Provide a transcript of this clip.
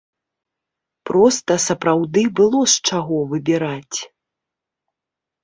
Проста сапраўды было з чаго выбіраць.